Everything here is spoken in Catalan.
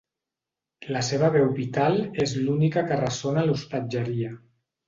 La seva veu vital és l'única que ressona a l'hostatgeria.